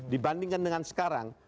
dibandingkan dengan sekarang